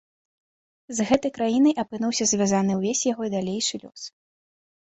З гэтай краінай апынуўся звязаны ўвесь яго далейшы лёс.